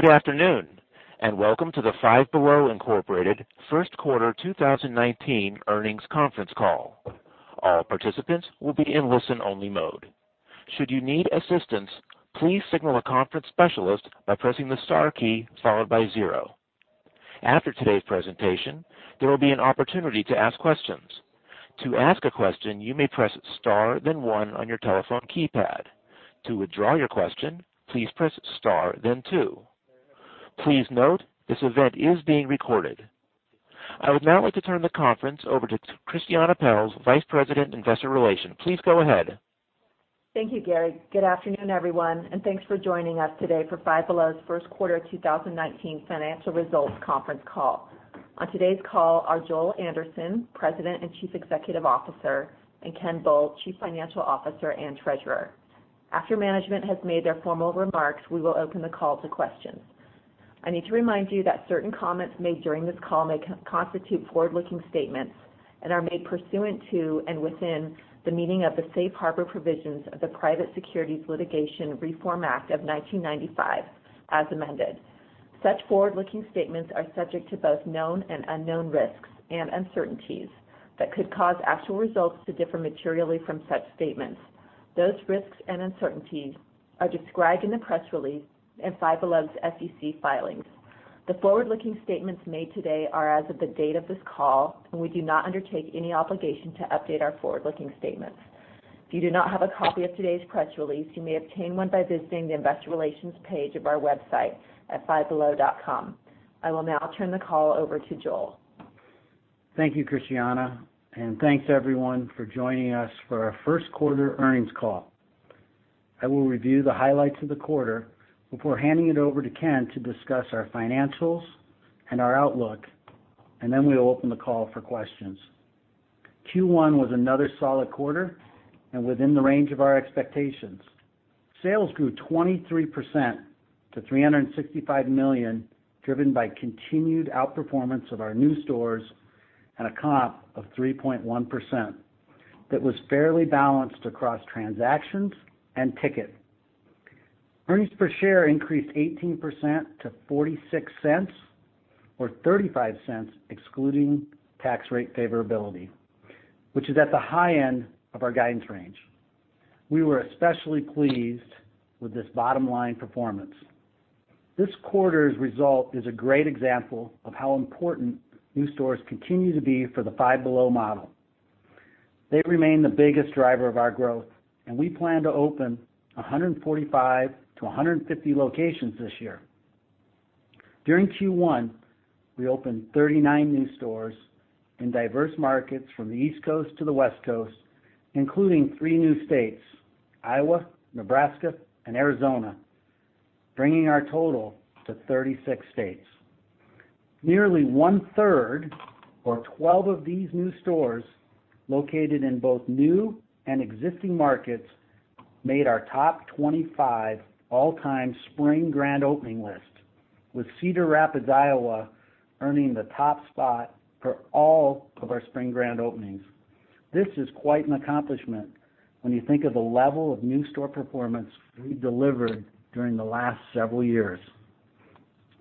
Good afternoon, and welcome to the Five Below First Quarter 2019 earnings conference call. All participants will be in listen-only mode. Should you need assistance, please signal a conference specialist by pressing the star key followed by zero. After today's presentation, there will be an opportunity to ask questions. To ask a question, you may press star, then one on your telephone keypad. To withdraw your question, please press star, then two. Please note this event is being recorded. I would now like to turn the conference over to Christiane Pelz, Vice President, Investor Relations. Please go ahead. Thank you, Gary. Good afternoon, everyone, and thanks for joining us today for Five Below's First Quarter 2019 Financial Results Conference Call. On today's call are Joel Anderson, President and Chief Executive Officer, and Ken Bull, Chief Financial Officer and Treasurer. After management has made their formal remarks, we will open the call to questions. I need to remind you that certain comments made during this call may constitute forward-looking statements and are made pursuant to and within the meaning of the safe harbor provisions of the Private Securities Litigation Reform Act of 1995, as amended. Such forward-looking statements are subject to both known and unknown risks and uncertainties that could cause actual results to differ materially from such statements. Those risks and uncertainties are described in the press release and Five Below's SEC filings. The forward-looking statements made today are as of the date of this call, and we do not undertake any obligation to update our forward-looking statements. If you do not have a copy of today's press release, you may obtain one by visiting the investor relations page of our website at fivebelow.com. I will now turn the call over to Joel. Thank you, Christiane, and thanks everyone for joining us for our first quarter earnings call. I will review the highlights of the quarter before handing it over to Ken to discuss our financials and our outlook, and then we'll open the call for questions. Q1 was another solid quarter and within the range of our expectations. Sales grew 23% to $365 million, driven by continued outperformance of our new stores and a comp of 3.1% that was fairly balanced across transactions and ticket. Earnings per share increased 18% to $0.46 or $0.35 excluding tax rate favorability, which is at the high end of our guidance range. We were especially pleased with this bottom-line performance. This quarter's result is a great example of how important new stores continue to be for the Five Below model. They remain the biggest driver of our growth, and we plan to open 145-150 locations this year. During Q1, we opened 39 new stores in diverse markets from the East Coast to the West Coast, including three new states Iowa, Nebraska, and Arizona, bringing our total to 36 states. Nearly one-third, or 12 of these new stores located in both new and existing markets, made our top 25 all-time spring grand opening list, with Cedar Rapids, Iowa, earning the top spot for all of our spring grand openings. This is quite an accomplishment when you think of the level of new store performance we've delivered during the last several years.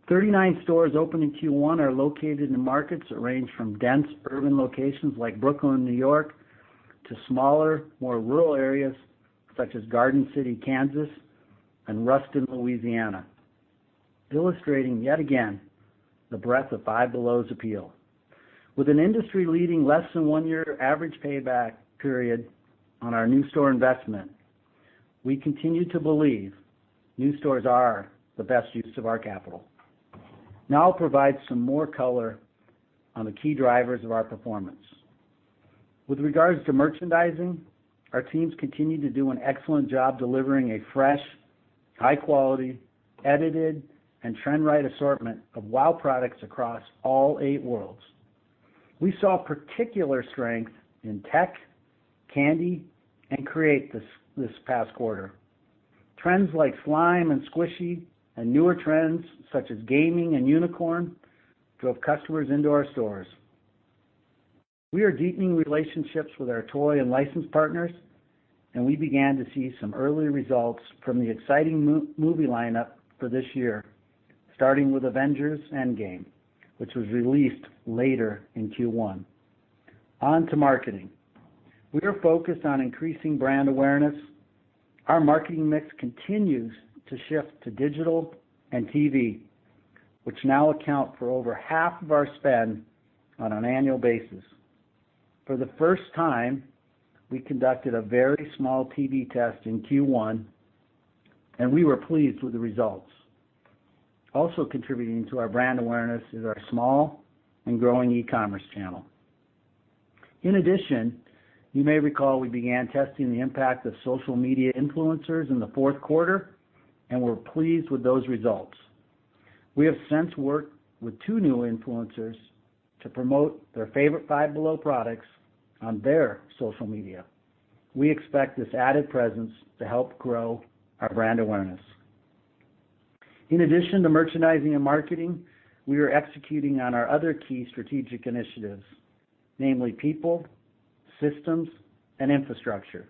Thirty-nine stores opened in Q1 are located in markets that range from dense urban locations like Brooklyn, New York, to smaller, more rural areas such as Garden City, Kansas, and Ruston, Louisiana, illustrating yet again the breadth of Five Below's appeal. With an industry-leading less-than-one-year average payback period on our new store investment, we continue to believe new stores are the best use of our capital. Now I'll provide some more color on the key drivers of our performance. With regards to merchandising, our teams continue to do an excellent job delivering a fresh, high-quality, edited, and trend-right assortment of wow products across all eight worlds. We saw particular strength in tech, candy, and create this past quarter. Trends like slime and squishy and newer trends such as gaming and unicorn drove customers into our stores. We are deepening relationships with our toy and license partners, and we began to see some early results from the exciting movie lineup for this year, starting with Avengers: Endgame, which was released later in Q1. On to marketing. We are focused on increasing brand awareness. Our marketing mix continues to shift to digital and TV, which now account for over half of our spend on an annual basis. For the first time, we conducted a very small TV test in Q1, and we were pleased with the results. Also contributing to our brand awareness is our small and growing E-commerce channel. In addition, you may recall we began testing the impact of social media influencers in the fourth quarter and were pleased with those results. We have since worked with two new influencers to promote their favorite Five Below products on their social media. We expect this added presence to help grow our brand awareness. In addition to merchandising and marketing, we are executing on our other key strategic initiatives, namely people, systems, and infrastructure.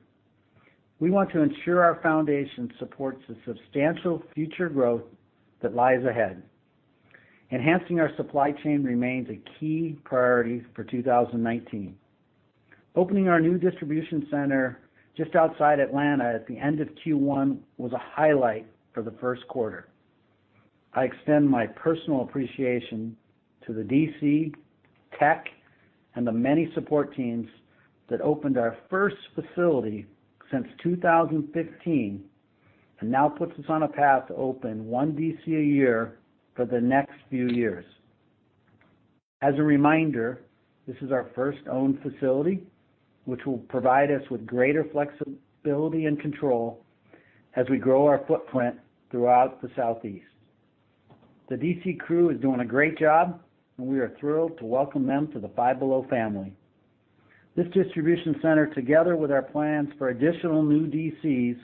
We want to ensure our foundation supports the substantial future growth that lies ahead. Enhancing our supply chain remains a key priority for 2019. Opening our new distribution center just outside Atlanta at the end of Q1 was a highlight for the first quarter. I extend my personal appreciation to the DC, tech, and the many support teams that opened our first facility since 2015 and now puts us on a path to open one DC a year for the next few years. As a reminder, this is our first owned facility, which will provide us with greater flexibility and control as we grow our footprint throughout the Southeast. The DC crew is doing a great job, and we are thrilled to welcome them to the Five Below family. This distribution center, together with our plans for additional new DCs,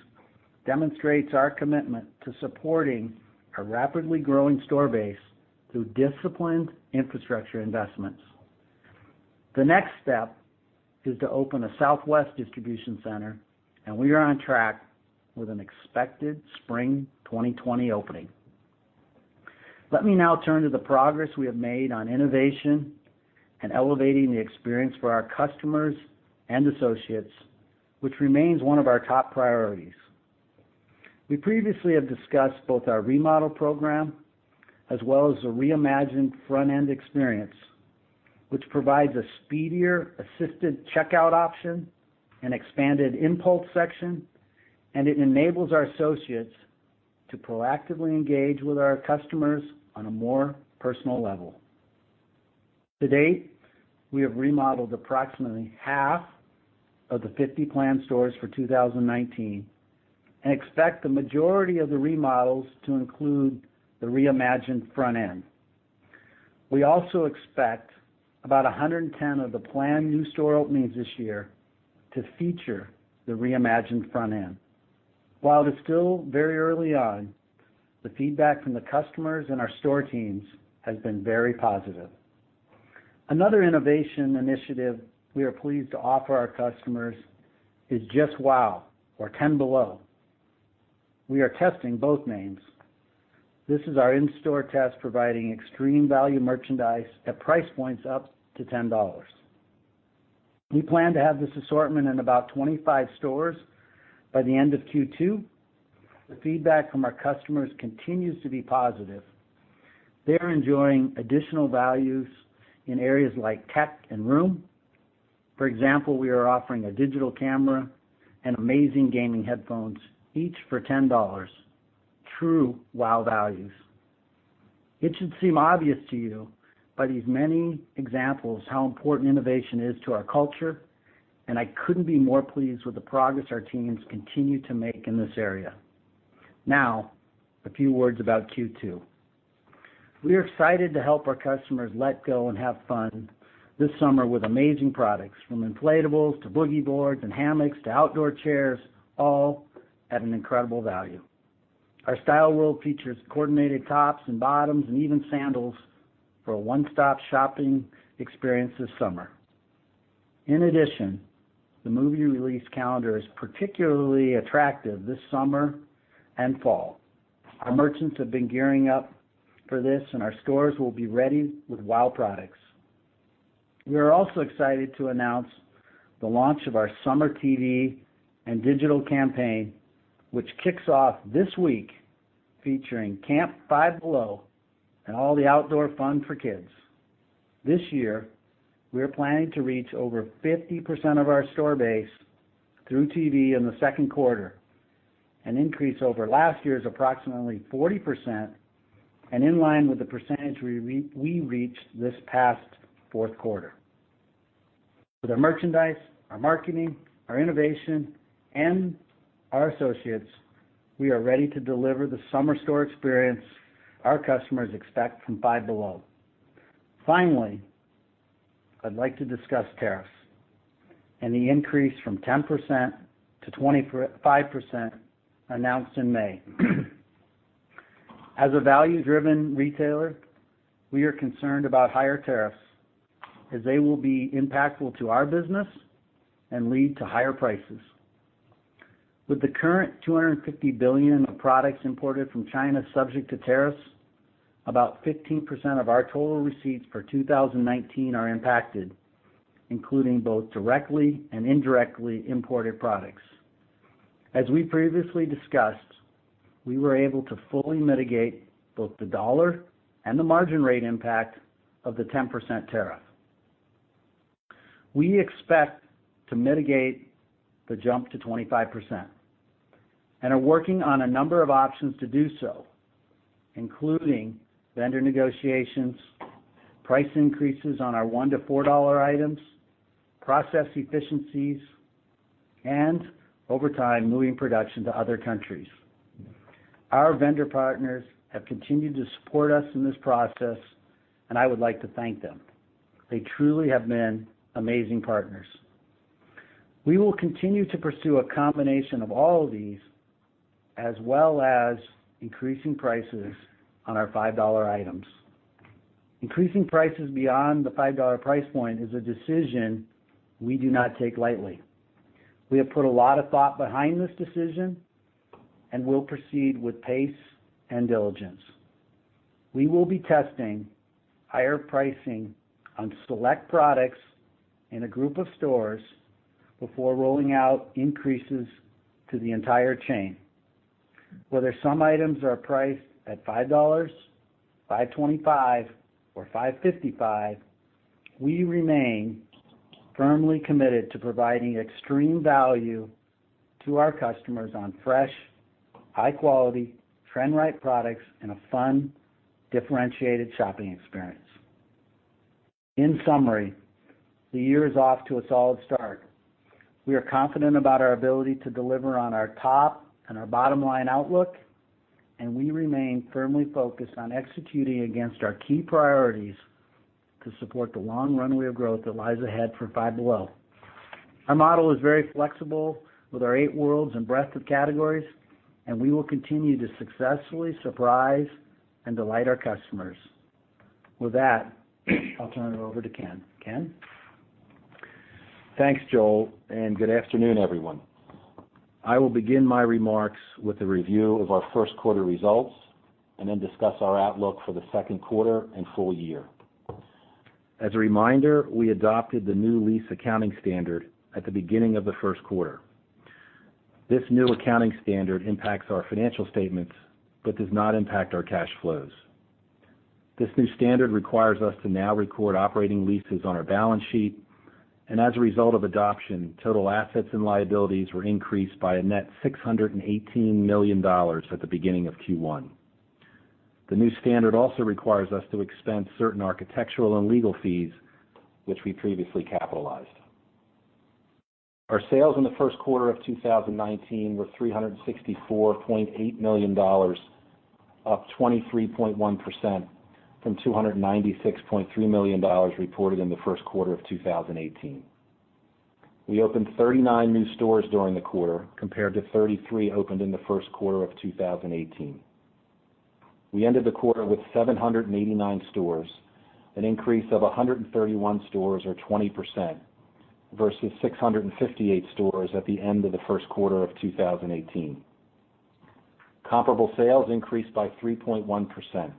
demonstrates our commitment to supporting a rapidly growing store base through disciplined infrastructure investments. The next step is to open a Southwest distribution center, and we are on track with an expected spring 2020 opening. Let me now turn to the progress we have made on innovation and elevating the experience for our customers and associates, which remains one of our top priorities. We previously have discussed both our remodel program as well as the reimagined front-end experience, which provides a speedier assisted checkout option and expanded impulse section, and it enables our associates to proactively engage with our customers on a more personal level. To date, we have remodeled approximately half of the 50 planned stores for 2019 and expect the majority of the remodels to include the reimagined front-end. We also expect about 110 of the planned new store openings this year to feature the reimagined front-end. While it is still very early on, the feedback from the customers and our store teams has been very positive. Another innovation initiative we are pleased to offer our customers is Just Wow, or Ten Below. We are testing both names. This is our in-store test providing extreme value merchandise at price points up to $10. We plan to have this assortment in about 25 stores by the end of Q2. The feedback from our customers continues to be positive. They are enjoying additional values in areas like tech and room. For example, we are offering a digital camera and amazing gaming headphones, each for $10. TrueWow values. It should seem obvious to you by these many examples how important innovation is to our culture, and I couldn't be more pleased with the progress our teams continue to make in this area. Now, a few words about Q2. We are excited to help our customers let go and have fun this summer with amazing products, from inflatables to boogie boards and hammocks to outdoor chairs, all at an incredible value. Our style world features coordinated tops and bottoms and even sandals for a one-stop shopping experience this summer. In addition, the movie release calendar is particularly attractive this summer and fall. Our merchants have been gearing up for this, and our stores will be ready with wow products. We are also excited to announce the launch of our summer TV and digital campaign, which kicks off this week featuring Camp Five Below and all the outdoor fun for kids. This year, we are planning to reach over 50% of our store base through TV in the second quarter, an increase over last year's approximately 40% and in line with the percentage we reached this past fourth quarter. With our merchandise, our marketing, our innovation, and our associates, we are ready to deliver the summer store experience our customers expect from Five Below. Finally, I'd like to discuss tariffs and the increase from 10%-25% announced in May. As a value-driven retailer, we are concerned about higher tariffs as they will be impactful to our business and lead to higher prices. With the current $250 billion of products imported from China subject to tariffs, about 15% of our total receipts for 2019 are impacted, including both directly and indirectly imported products. As we previously discussed, we were able to fully mitigate both the dollar and the margin rate impact of the 10% tariff. We expect to mitigate the jump to 25% and are working on a number of options to do so, including vendor negotiations, price increases on our $1-$4 items, process efficiencies, and over time moving production to other countries. Our vendor partners have continued to support us in this process, and I would like to thank them. They truly have been amazing partners. We will continue to pursue a combination of all of these as well as increasing prices on our $5 items. Increasing prices beyond the $5 price point is a decision we do not take lightly. We have put a lot of thought behind this decision and will proceed with pace and diligence. We will be testing higher pricing on select products in a group of stores before rolling out increases to the entire chain. Whether some items are priced at $5, $5.25, or $5.55, we remain firmly committed to providing extreme value to our customers on fresh, high-quality, trend-right products and a fun, differentiated shopping experience. In summary, the year is off to a solid start. We are confident about our ability to deliver on our top and our bottom-line outlook, and we remain firmly focused on executing against our key priorities to support the long runway of growth that lies ahead for Five Below. Our model is very flexible with our eight worlds and breadth of categories, and we will continue to successfully surprise and delight our customers. With that, I'll turn it over to Ken. Ken. Thanks, Joel, and good afternoon, everyone. I will begin my remarks with a review of our first quarter results and then discuss our outlook for the second quarter and full year. As a reminder, we adopted the new lease accounting standard at the beginning of the first quarter. This new accounting standard impacts our financial statements but does not impact our cash flows. This new standard requires us to now record operating leases on our balance sheet, and as a result of adoption, total assets and liabilities were increased by a net $618 million at the beginning of Q1. The new standard also requires us to expend certain architectural and legal fees, which we previously capitalized. Our sales in the first quarter of 2019 were $364.8 million, up 23.1% from $296.3 million reported in the first quarter of 2018. We opened 39 new stores during the quarter compared to 33 opened in the first quarter of 2018. We ended the quarter with 789 stores, an increase of 131 stores or 20% versus 658 stores at the end of the first quarter of 2018. Comparable sales increased by 3.1%,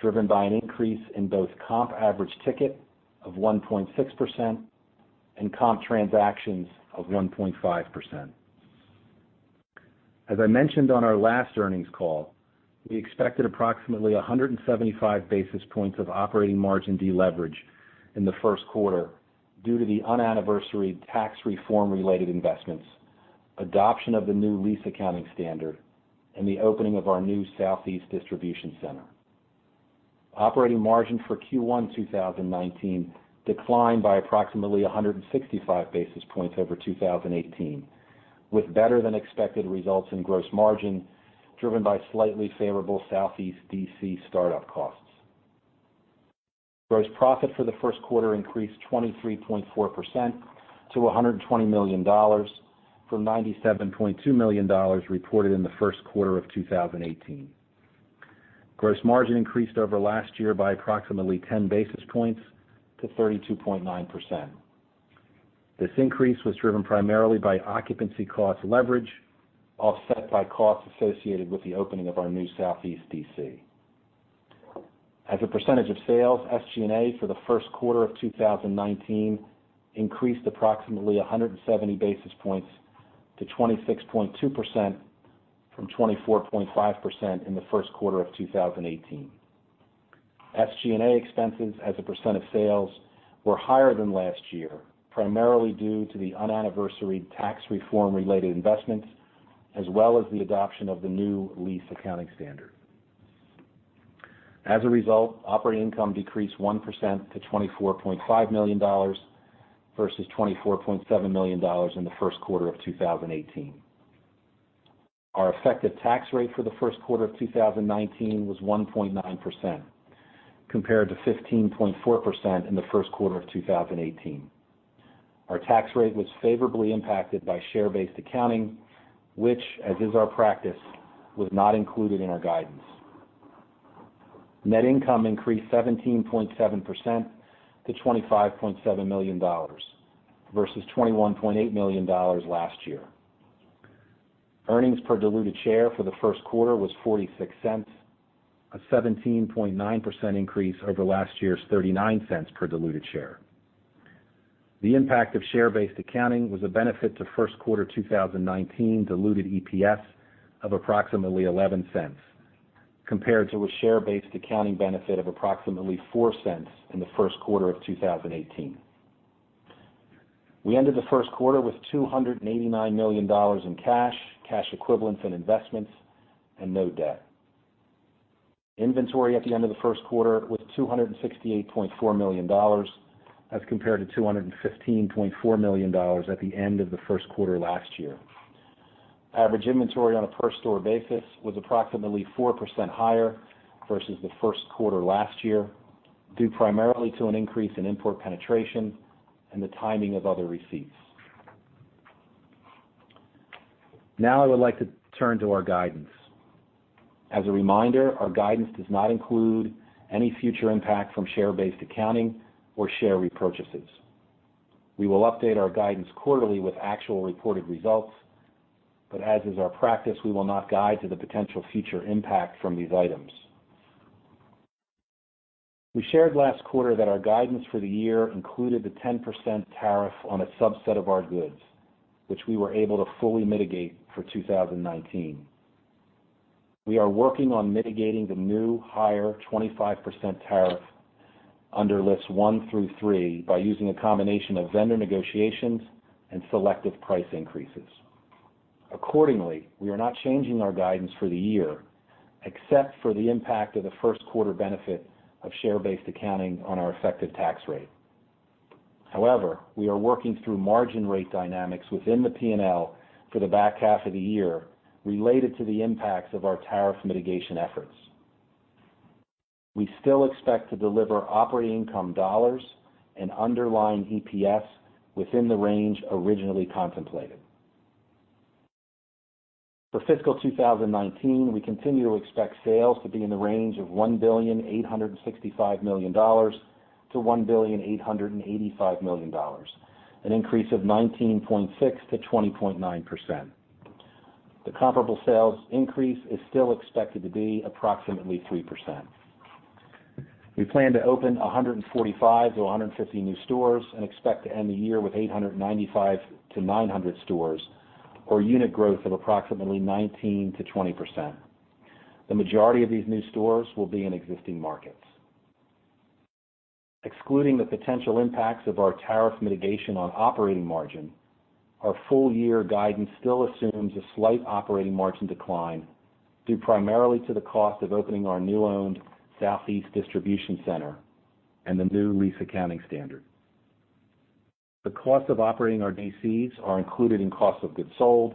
driven by an increase in both comp average ticket of 1.6% and comp transactions of 1.5%. As I mentioned on our last earnings call, we expected approximately 175 basis points of operating margin deleverage in the first quarter due to the unanniversary tax reform-related investments, adoption of the new lease accounting standard, and the opening of our new Southeast distribution center. Operating margin for Q1 2019 declined by approximately 165 basis points over 2018, with better-than-expected results in gross margin driven by slightly favorable Southeast DC startup costs. Gross profit for the first quarter increased 23.4% to $120 million from $97.2 million reported in the first quarter of 2018. Gross margin increased over last year by approximately 10 basis points to 32.9%. This increase was driven primarily by occupancy cost leverage offset by costs associated with the opening of our new Southeast DC. As a percentage of sales, SG&A for the first quarter of 2019 increased approximately 170 basis points to 26.2% from 24.5% in the first quarter of 2018. SG&A expenses as a percent of sales were higher than last year, primarily due to the unanniversary tax reform-related investments as well as the adoption of the new lease accounting standard. As a result, operating income decreased 1% to $24.5 million versus $24.7 million in the first quarter of 2018. Our effective tax rate for the first quarter of 2019 was 1.9% compared to 15.4% in the first quarter of 2018. Our tax rate was favorably impacted by share-based accounting, which, as is our practice, was not included in our guidance. Net income increased 17.7% to $25.7 million versus $21.8 million last year. Earnings per diluted share for the first quarter was $0.46, a 17.9% increase over last year's $0.39 per diluted share. The impact of share-based accounting was a benefit to first quarter 2019 diluted EPS of approximately $0.11 compared to a share-based accounting benefit of approximately $0.04 in the first quarter of 2018. We ended the first quarter with $289 million in cash, cash equivalents, and investments, and no debt. Inventory at the end of the first quarter was $268.4 million as compared to $215.4 million at the end of the first quarter last year. Average inventory on a per-store basis was approximately 4% higher versus the first quarter last year due primarily to an increase in import penetration and the timing of other receipts. Now, I would like to turn to our guidance. As a reminder, our guidance does not include any future impact from share-based accounting or share repurchases. We will update our guidance quarterly with actual reported results, but as is our practice, we will not guide to the potential future impact from these items. We shared last quarter that our guidance for the year included the 10% tariff on a subset of our goods, which we were able to fully mitigate for 2019. We are working on mitigating the new higher 25% tariff under lists one through three by using a combination of vendor negotiations and selective price increases. Accordingly, we are not changing our guidance for the year except for the impact of the first quarter benefit of share-based accounting on our effective tax rate. However, we are working through margin rate dynamics within the P&L for the back half of the year related to the impacts of our tariff mitigation efforts. We still expect to deliver operating income dollars and underlying EPS within the range originally contemplated. For fiscal 2019, we continue to expect sales to be in the range of $1,865 million-$1,885 million, an increase of 19.6%-20.9%. The comparable sales increase is still expected to be approximately 3%. We plan to open 145-150 new stores and expect to end the year with 895-900 stores or unit growth of approximately 19-20%. The majority of these new stores will be in existing markets. Excluding the potential impacts of our tariff mitigation on operating margin, our full-year guidance still assumes a slight operating margin decline due primarily to the cost of opening our new-owned Southeast distribution center and the new lease accounting standard. The cost of operating our DCs are included in cost of goods sold,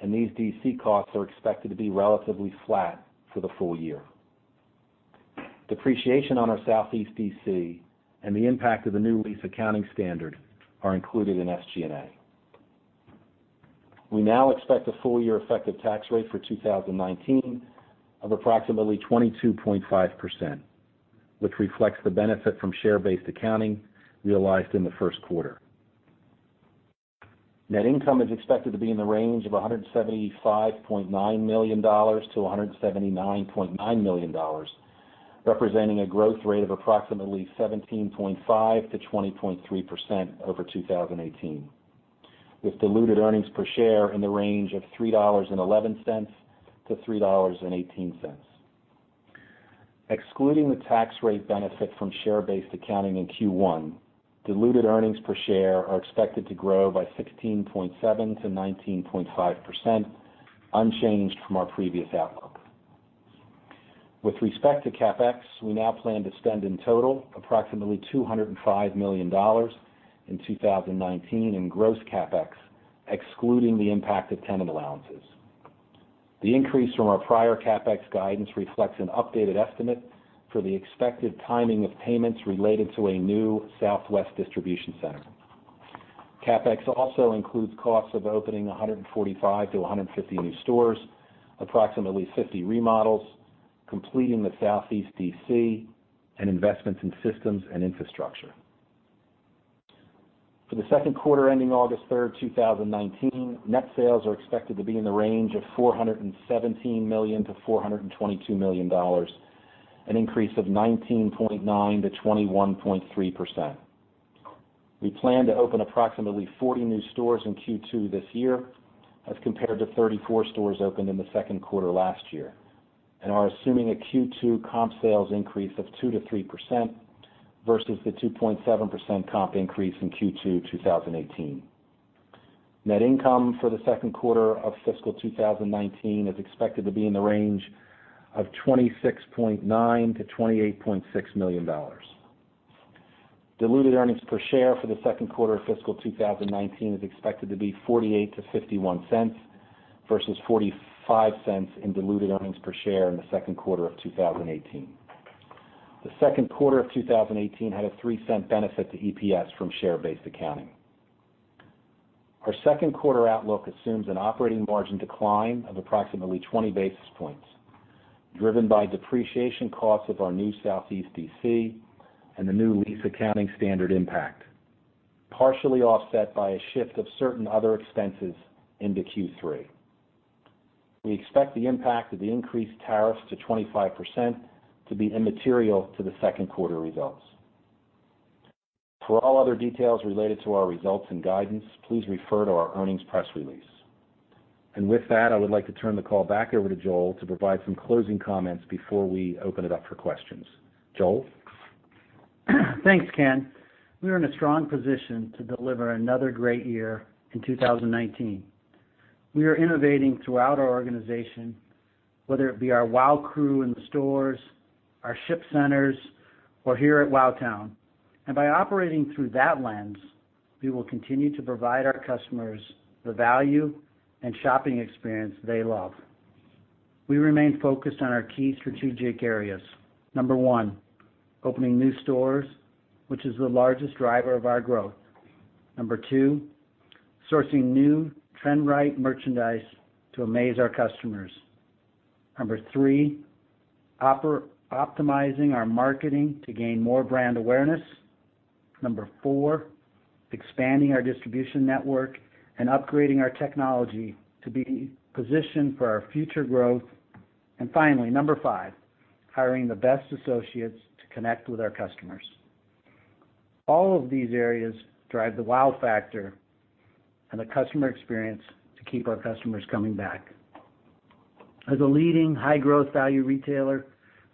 and these DC costs are expected to be relatively flat for the full year. Depreciation on our Southeast DC and the impact of the new lease accounting standard are included in SG&A. We now expect a full-year effective tax rate for 2019 of approximately 22.5%, which reflects the benefit from share-based accounting realized in the first quarter. Net income is expected to be in the range of $175.9 million-$179.9 million, representing a growth rate of approximately 17.5%-20.3% over 2018, with diluted earnings per share in the range of $3.11-$3.18. Excluding the tax rate benefit from share-based accounting in Q1, diluted earnings per share are expected to grow by 16.7%-19.5%, unchanged from our previous outlook. With respect to CapEx, we now plan to spend in total approximately $205 million in 2019 in gross CapEx, excluding the impact of tenant allowances. The increase from our prior CapEx guidance reflects an updated estimate for the expected timing of payments related to a new Southwest distribution center. CapEx also includes costs of opening 145-150 new stores, approximately 50 remodels, completing the Southeast DC, and investments in systems and infrastructure. For the second quarter ending August 3, 2019, net sales are expected to be in the range of $417 million-$422 million, an increase of 19.9%-21.3%. We plan to open approximately 40 new stores in Q2 this year as compared to 34 stores opened in the second quarter last year and are assuming a Q2 comp sales increase of 2%-3% versus the 2.7% comp increase in Q2 2018. Net income for the second quarter of fiscal 2019 is expected to be in the range of $26.9 million-$28.6 million. Diluted earnings per share for the second quarter of fiscal 2019 is expected to be $0.48-$0.51 versus $0.45 in diluted earnings per share in the second quarter of 2018. The second quarter of 2018 had a $0.03 benefit to EPS from share-based accounting. Our second quarter outlook assumes an operating margin decline of approximately 20 basis points, driven by depreciation costs of our new Southeast DC and the new lease accounting standard impact, partially offset by a shift of certain other expenses into Q3. We expect the impact of the increased tariffs to 25% to be immaterial to the second quarter results. For all other details related to our results and guidance, please refer to our earnings press release. I would like to turn the call back over to Joel to provide some closing comments before we open it up for questions. Joel. Thanks, Ken. We are in a strong position to deliver another great year in 2019. We are innovating throughout our organization, whether it be our WOW crew in the stores, our ship centers, or here at WOWTOWN. By operating through that lens, we will continue to provide our customers the value and shopping experience they love. We remain focused on our key strategic areas. Number one, opening new stores, which is the largest driver of our growth. Number two, sourcing new trend-right merchandise to amaze our customers. Number three, optimizing our marketing to gain more brand awareness. Number four, expanding our distribution network and upgrading our technology to be positioned for our future growth. Finally, number five, hiring the best associates to connect with our customers. All of these areas drive the WOW factor and the customer experience to keep our customers coming back. As a leading high-growth value retailer,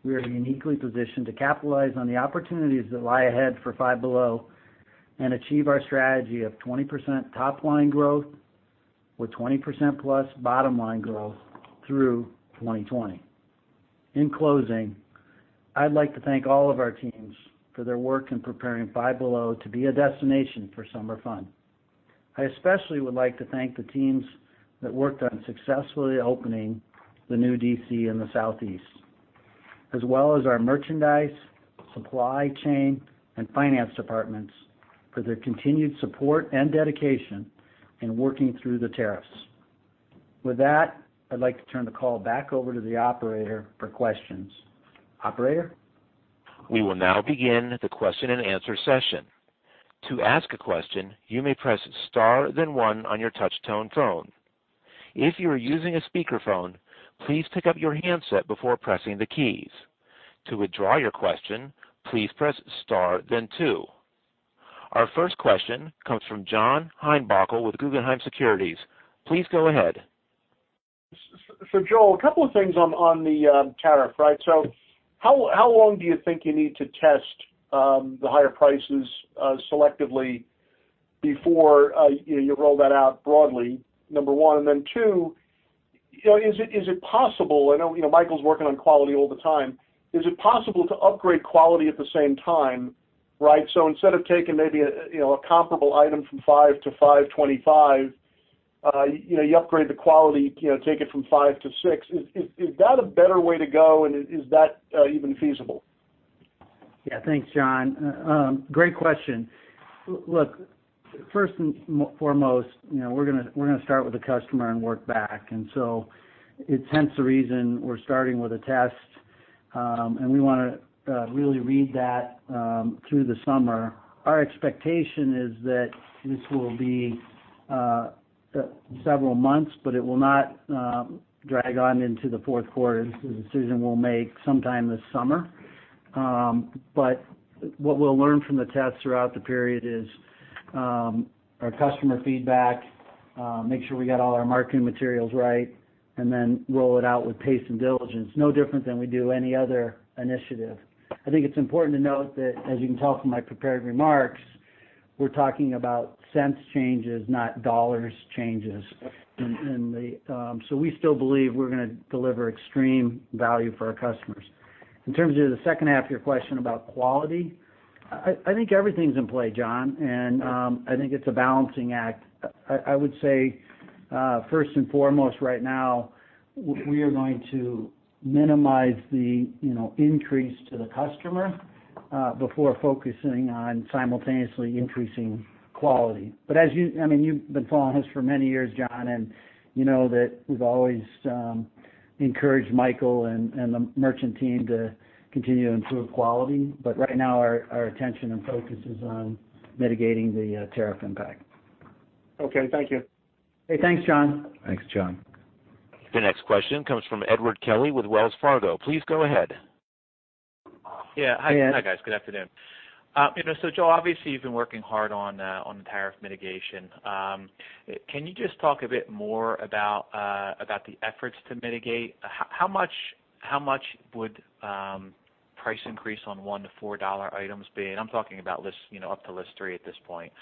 we are uniquely positioned to capitalize on the opportunities that lie ahead for Five Below and achieve our strategy of 20% top-line growth with 20% plus bottom-line growth through 2020. In closing, I'd like to thank all of our teams for their work in preparing Five Below to be a destination for summer fun. I especially would like to thank the teams that worked on successfully opening the new DC in the Southeast, as well as our merchandise, supply chain, and finance departments for their continued support and dedication in working through the tariffs. With that, I'd like to turn the call back over to the operator for questions. Operator? We will now begin the question-and-answer session. To ask a question, you may press star then one on your touch-tone phone. If you are using a speakerphone, please pick up your handset before pressing the keys. To withdraw your question, please press star then two. Our first question comes from John Heinbockel with Guggenheim Securities. Please go ahead. Joel, a couple of things on the tariff, right? How long do you think you need to test the higher prices selectively before you roll that out broadly, number one? Then two, is it possible—Michael's working on quality all the time—is it possible to upgrade quality at the same time, right? Instead of taking maybe a comparable item from $5-$5.25, you upgrade the quality, take it from $5-$6. Is that a better way to go, and is that even feasible? Yeah. Thanks, John. Great question. Look, first and foremost, we're going to start with the customer and work back. It is hence the reason we're starting with a test, and we want to really read that through the summer. Our expectation is that this will be several months, but it will not drag on into the fourth quarter. The decision we'll make sometime this summer. What we'll learn from the test throughout the period is our customer feedback, make sure we got all our marketing materials right, and then roll it out with pace and diligence, no different than we do any other initiative. I think it's important to note that, as you can tell from my prepared remarks, we're talking about cents changes, not dollars changes. We still believe we're going to deliver extreme value for our customers. In terms of the second half of your question about quality, I think everything's in play, John, and I think it's a balancing act. I would say, first and foremost, right now, we are going to minimize the increase to the customer before focusing on simultaneously increasing quality. I mean, you've been following us for many years, John, and you know that we've always encouraged Michael and the merchant team to continue to improve quality. Right now, our attention and focus is on mitigating the tariff impact. Okay. Thank you. Hey, thanks, John. Thanks, John. The next question comes from Edward Kelly with Wells Fargo. Please go ahead. Yeah. Hi, guys. Good afternoon. Joel, obviously, you've been working hard on the tariff mitigation. Can you just talk a bit more about the efforts to mitigate? How much would price increase on one to four-dollar items be? I'm talking about up to list three at this point.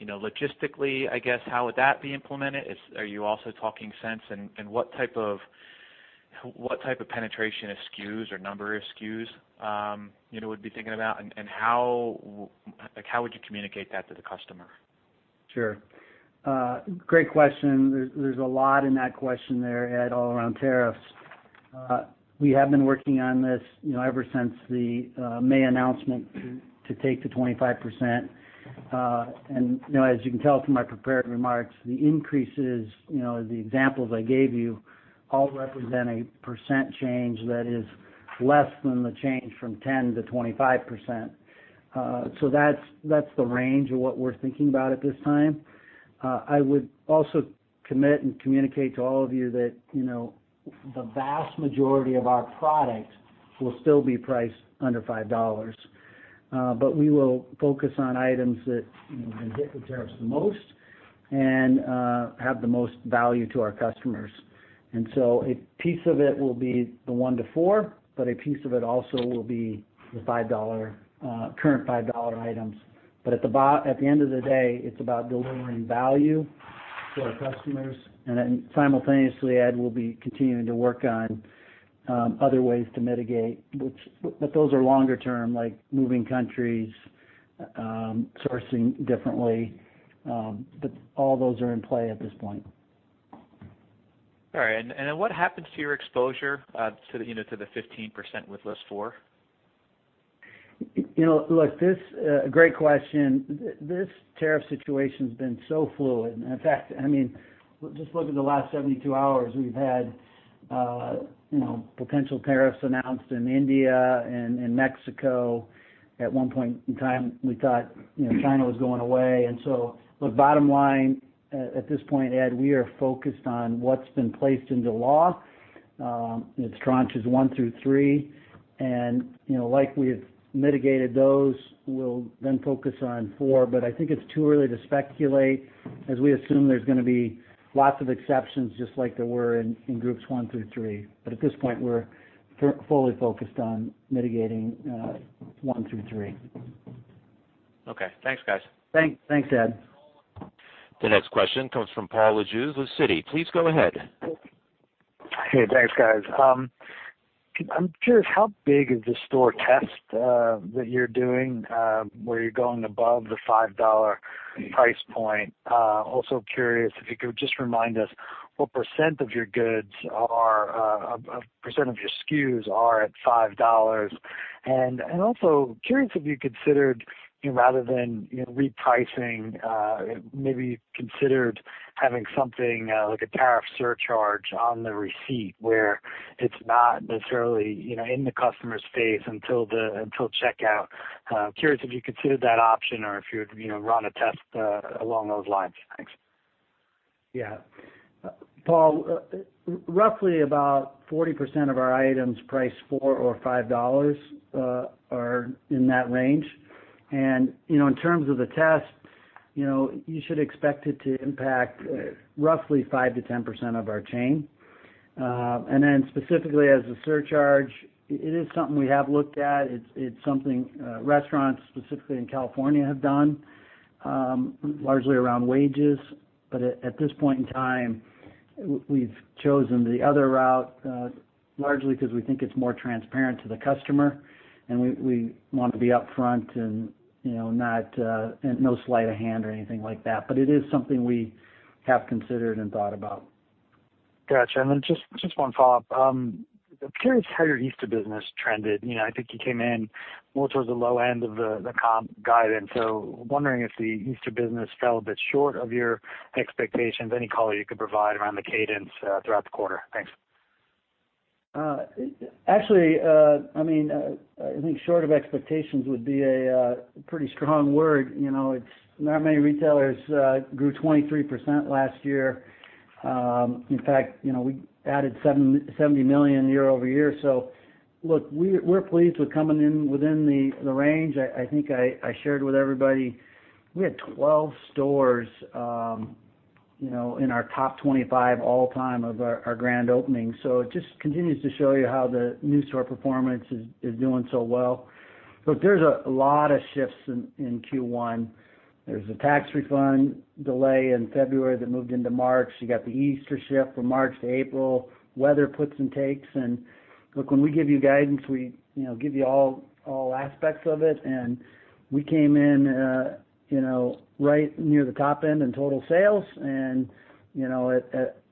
Logistically, I guess, how would that be implemented? Are you also talking cents? What type of penetration of SKUs or number of SKUs would you be thinking about? How would you communicate that to the customer? Sure. Great question. There's a lot in that question there, Ed, all around tariffs. We have been working on this ever since the May announcement to take the 25%. As you can tell from my prepared remarks, the increases, the examples I gave you, all represent a percent change that is less than the change from 10%-25%. That's the range of what we're thinking about at this time. I would also commit and communicate to all of you that the vast majority of our product will still be priced under $5. We will focus on items that have been hit with tariffs the most and have the most value to our customers. A piece of it will be the one to four, but a piece of it also will be the current five-dollar items. At the end of the day, it's about delivering value to our customers. Simultaneously, Ed, we'll be continuing to work on other ways to mitigate, but those are longer-term, like moving countries, sourcing differently. All those are in play at this point. All right. What happens to your exposure to the 15% with list four? Look, this is a great question. This tariff situation has been so fluid. In fact, I mean, just look at the last 72 hours. We've had potential tariffs announced in India and in Mexico. At one point in time, we thought China was going away. Bottom line, at this point, Ed, we are focused on what's been placed into law. It's tranches one through three. Like we've mitigated those, we'll then focus on four. I think it's too early to speculate as we assume there's going to be lots of exceptions just like there were in groups one through three. At this point, we're fully focused on mitigating one through three. Okay. Thanks, guys. Thanks, Ed. The next question comes from Paul LaJoux with Citi. Please go ahead. Hey, thanks, guys. I'm curious, how big is the store test that you're doing where you're going above the five-dollar price point? Also curious if you could just remind us what percent of your goods are—percent of your SKUs are at $5. Also, curious if you considered, rather than repricing, maybe considered having something like a tariff surcharge on the receipt where it's not necessarily in the customer's face until checkout. Curious if you considered that option or if you would run a test along those lines. Thanks. Yeah. Paul, roughly about 40% of our items priced four or five dollars are in that range. In terms of the test, you should expect it to impact roughly 5%-10% of our chain. Specifically as a surcharge, it is something we have looked at. It's something restaurants, specifically in California, have done, largely around wages. At this point in time, we've chosen the other route largely because we think it's more transparent to the customer, and we want to be upfront and no sleight of hand or anything like that. It is something we have considered and thought about. Gotcha. And then just one follow-up. I'm curious how your Easter business trended. I think you came in more towards the low end of the comp guidance. So wondering if the Easter business fell a bit short of your expectations, any color you could provide around the cadence throughout the quarter. Thanks. Actually, I mean, I think short of expectations would be a pretty strong word. Not many retailers grew 23% last year. In fact, we added $70 million year over year. Look, we're pleased with coming in within the range. I think I shared with everybody we had 12 stores in our top 25 all time of our grand opening. It just continues to show you how the new store performance is doing so well. Look, there are a lot of shifts in Q1. There is a tax refund delay in February that moved into March. You got the Easter shift from March to April. Weather puts and takes. Look, when we give you guidance, we give you all aspects of it. We came in right near the top end in total sales and at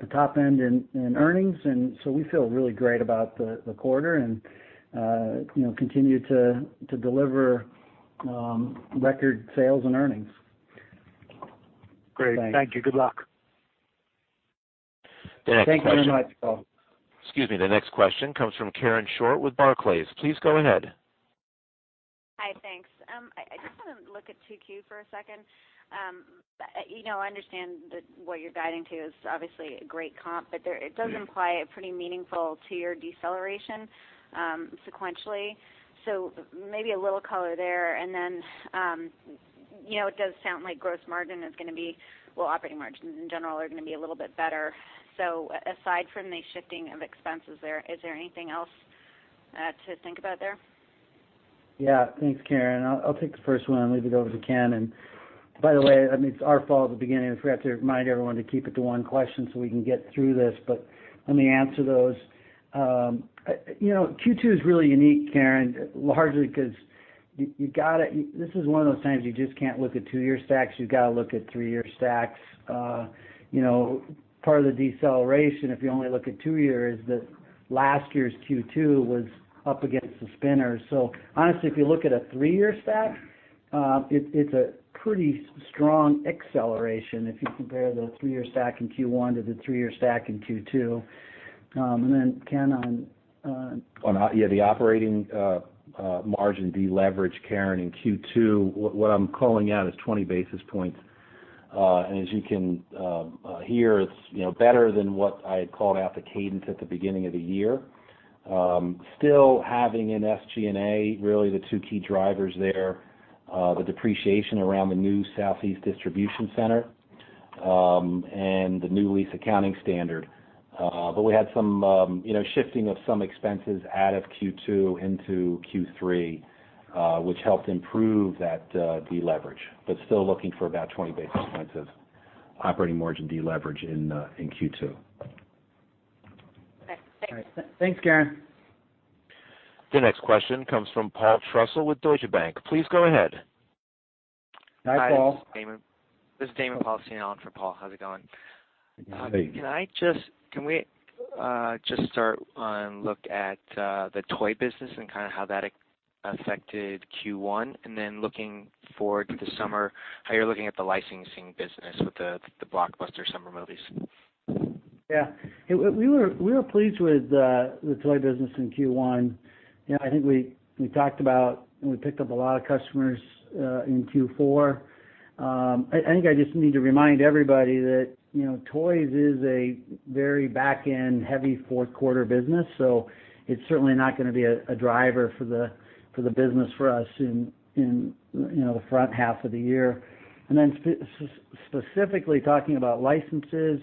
the top end in earnings. We feel really great about the quarter and continue to deliver record sales and earnings. Great. Thank you. Good luck. Thanks, John. Thank you very much, Paul. Excuse me. The next question comes from Karen Short with Barclays. Please go ahead. Hi. Thanks. I just want to look at 2Q for a second. I understand that what you're guiding to is obviously a great comp, but it does imply a pretty meaningful tier deceleration sequentially. Maybe a little color there. It does sound like gross margin is going to be, operating margins in general are going to be a little bit better. Aside from the shifting of expenses there, is there anything else to think about there? Yeah. Thanks, Karen. I'll take the first one and leave it over to Ken. And by the way, I mean, it's our fault at the beginning. We have to remind everyone to keep it to one question so we can get through this. But let me answer those. Q2 is really unique, Karen, largely because you got to—this is one of those times you just can't look at two-year stacks. You've got to look at three-year stacks. Part of the deceleration, if you only look at two years, is that last year's Q2 was up against the spinners. So honestly, if you look at a three-year stack, it's a pretty strong acceleration if you compare the three-year stack in Q1 to the three-year stack in Q2. And then, Ken, on. Yeah. The operating margin deleverage, Karen, in Q2, what I'm calling out is 20 basis points. As you can hear, it's better than what I had called out the cadence at the beginning of the year. Still having in SG&A really the two key drivers there, the depreciation around the new Southeast Distribution Center and the new lease accounting standard. We had some shifting of some expenses out of Q2 into Q3, which helped improve that deleverage, but still looking for about 20 basis points of operating margin deleverage in Q2. Thanks. Thanks, Karen. The next question comes from Paul Trussell with Deutsche Bank. Please go ahead. Hi, Paul. This is Damien Paul for Paul. How's it going? Hey. Can I just—can we just start and look at the toy business and kind of how that affected Q1? And then looking forward to the summer, how you're looking at the licensing business with the Blockbuster summer movies? Yeah. We were pleased with the toy business in Q1. I think we talked about and we picked up a lot of customers in Q4. I think I just need to remind everybody that toys is a very back-end, heavy fourth-quarter business. It is certainly not going to be a driver for the business for us in the front half of the year. Specifically talking about licenses,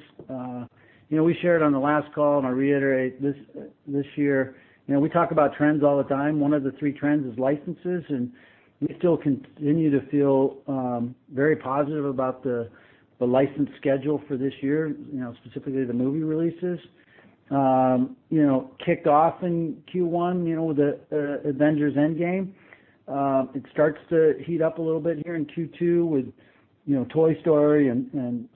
we shared on the last call, and I will reiterate this year, we talk about trends all the time. One of the three trends is licenses. We still continue to feel very positive about the license schedule for this year, specifically the movie releases. Kicked off in Q1 with Avengers: Endgame. It starts to heat up a little bit here in Q2 with Toy Story and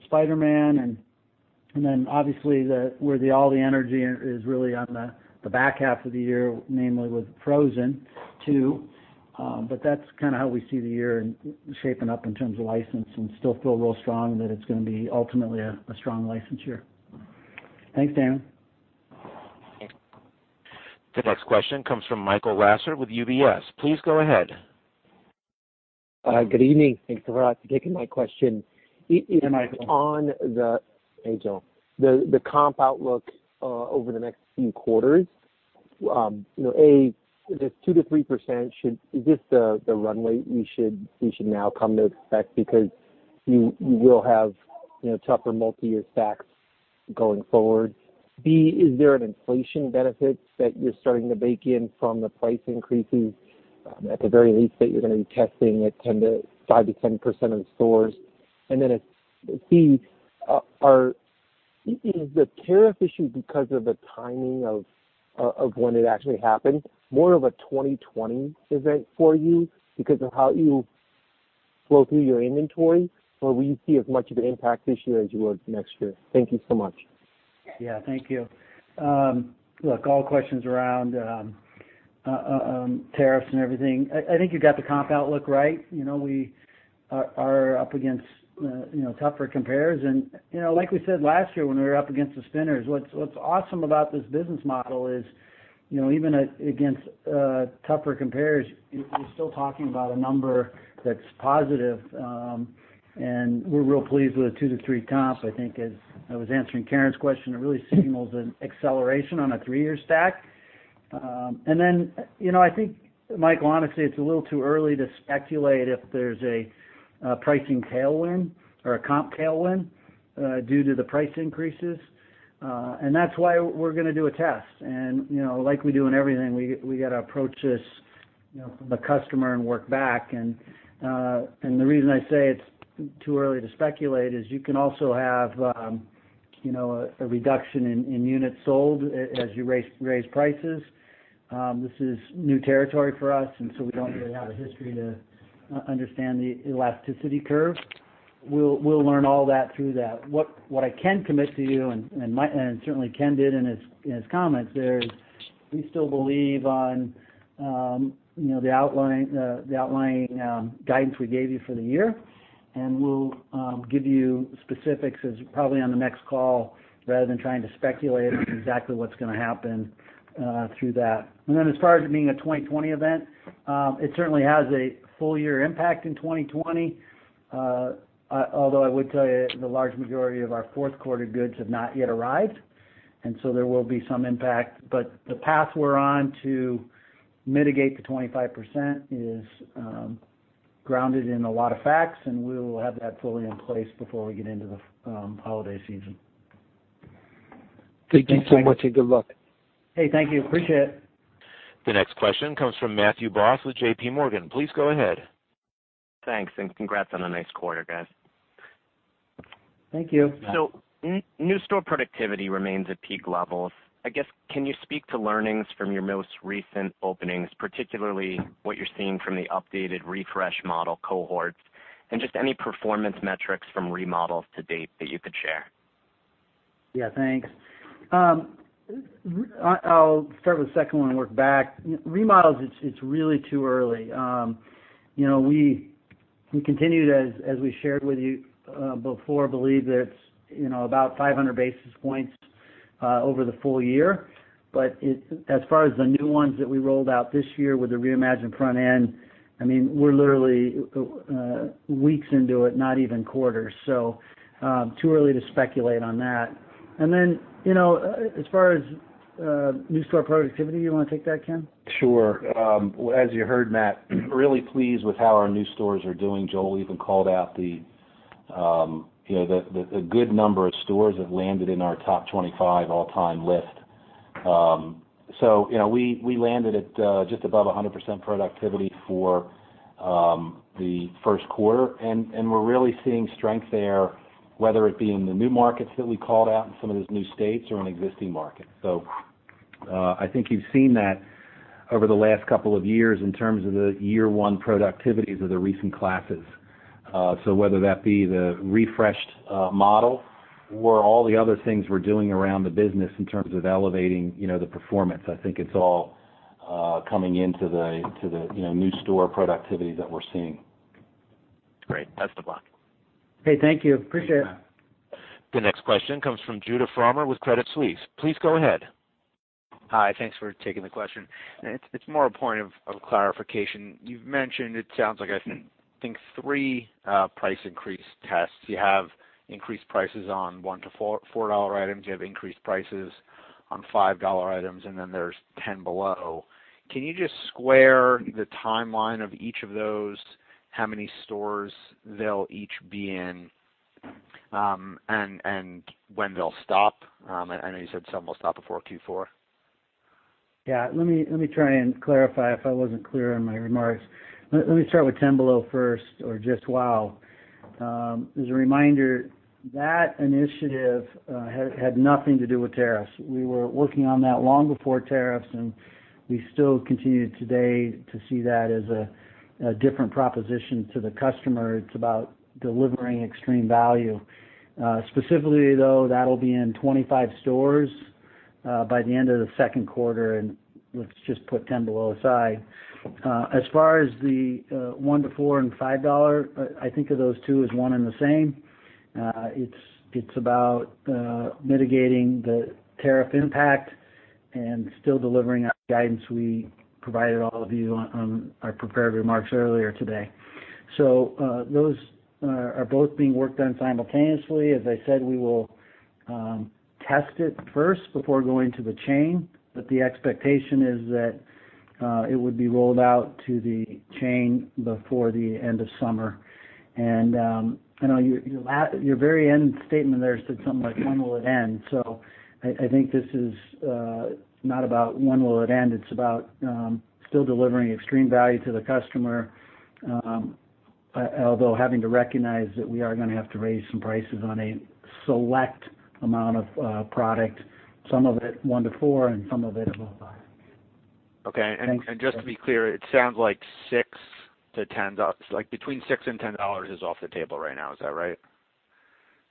Spider-Man. Obviously, where all the energy is really on the back half of the year, namely with Frozen 2. That is kind of how we see the year shaping up in terms of license and still feel real strong that it is going to be ultimately a strong license year. Thanks, Dan. The next question comes from Michael Wasser with UBS. Please go ahead. Good evening. Thanks a lot for taking my question. On the comp outlook over the next few quarters, A, this 2%-3%, is this the runway we should now come to expect because you will have tougher multi-year stacks going forward? B, is there an inflation benefit that you're starting to bake in from the price increases at the very least that you're going to be testing at 5%-10% of the stores? And then C, is the tariff issue because of the timing of when it actually happened more of a 2020 event for you because of how you flow through your inventory, or will you see as much of an impact this year as you would next year? Thank you so much. Yeah. Thank you. Look, all questions around tariffs and everything. I think you got the comp outlook right. We are up against tougher compares. Like we said last year when we were up against the spinners, what's awesome about this business model is even against tougher compares, we're still talking about a number that's positive. We're real pleased with a two to three comp. I think as I was answering Karen's question, it really signals an acceleration on a three-year stack. I think, Michael, honestly, it's a little too early to speculate if there's a pricing tailwind or a comp tailwind due to the price increases. That's why we're going to do a test. Like we do in everything, we got to approach this from the customer and work back. The reason I say it's too early to speculate is you can also have a reduction in units sold as you raise prices. This is new territory for us, and so we don't really have a history to understand the elasticity curve. We'll learn all that through that. What I can commit to you, and certainly Ken did in his comments, is we still believe on the outlying guidance we gave you for the year. We'll give you specifics probably on the next call rather than trying to speculate exactly what's going to happen through that. As far as it being a 2020 event, it certainly has a full-year impact in 2020. Although I would tell you the large majority of our fourth-quarter goods have not yet arrived. There will be some impact. The path we're on to mitigate the 25% is grounded in a lot of facts, and we will have that fully in place before we get into the holiday season. Thank you so much and good luck. Hey, thank you. Appreciate it. The next question comes from Matthew Boss with JP Morgan. Please go ahead. Thanks. Congrats on a nice quarter, guys. Thank you. New store productivity remains at peak levels. I guess, can you speak to learnings from your most recent openings, particularly what you're seeing from the updated refresh model cohorts and just any performance metrics from remodels to date that you could share? Yeah. Thanks. I'll start with the second one and work back. Remodels, it's really too early. We continued, as we shared with you before, to believe that it's about 500 basis points over the full year. As far as the new ones that we rolled out this year with the reimagined front end, I mean, we're literally weeks into it, not even quarters. Too early to speculate on that. And then as far as new store productivity, you want to take that, Ken? Sure. As you heard, Matt, really pleased with how our new stores are doing. Joel even called out the good number of stores that landed in our top 25 all-time list. We landed at just above 100% productivity for the first quarter. We are really seeing strength there, whether it be in the new markets that we called out in some of these new states or in existing markets. I think you have seen that over the last couple of years in terms of the year one productivities of the recent classes. Whether that be the refreshed model or all the other things we are doing around the business in terms of elevating the performance, I think it is all coming into the new store productivity that we are seeing. Great. Best of luck. Hey, thank you. Appreciate it. The next question comes from Judith Farmer with Credit Suisse. Please go ahead. Hi. Thanks for taking the question. It's more a point of clarification. You've mentioned it sounds like I think three price increase tests. You have increased prices on one to $4 items. You have increased prices on $5 items. And then there's Ten Below. Can you just square the timeline of each of those, how many stores they'll each be in and when they'll stop? I know you said some will stop before Q4. Yeah. Let me try and clarify if I wasn't clear on my remarks. Let me start with Ten Below first or Just Wow. As a reminder, that initiative had nothing to do with tariffs. We were working on that long before tariffs. We still continue today to see that as a different proposition to the customer. It's about delivering extreme value. Specifically, though, that'll be in 25 stores by the end of the second quarter. Let's just put Ten Below aside. As far as the $1, $4, and $5, I think of those two as one and the same. It's about mitigating the tariff impact and still delivering on guidance we provided all of you on our prepared remarks earlier today. Those are both being worked on simultaneously. As I said, we will test it first before going to the chain. The expectation is that it would be rolled out to the chain before the end of summer. I know your very end statement there said something like, "When will it end?" I think this is not about when will it end. It is about still delivering extreme value to the customer, although having to recognize that we are going to have to raise some prices on a select amount of product, some of it $1-$4 and some of it above $5. Okay. Just to be clear, it sounds like $6-$10, between $6 and $10, is off the table right now. Is that right?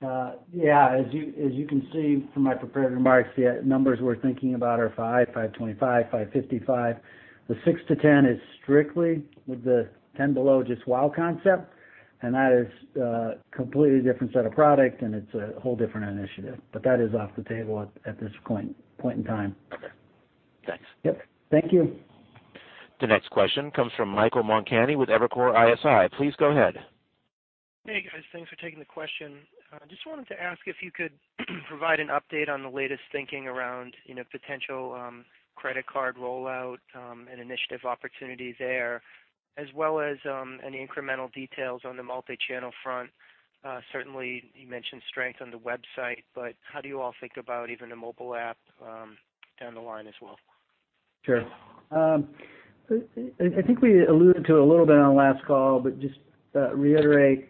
Yeah. As you can see from my prepared remarks, the numbers we're thinking about are $5, $5.25, $5.55. The $6-$10 is strictly with the Ten Below Just Wow concept. That is a completely different set of product. It is a whole different initiative. That is off the table at this point in time. Thanks. Yep. Thank you. The next question comes from Michael Montani with Evercore ISI. Please go ahead. Hey, guys. Thanks for taking the question. Just wanted to ask if you could provide an update on the latest thinking around potential credit card rollout and initiative opportunity there, as well as any incremental details on the multi-channel front. Certainly, you mentioned strength on the website. How do you all think about even the mobile app down the line as well? Sure. I think we alluded to it a little bit on the last call, but just reiterate,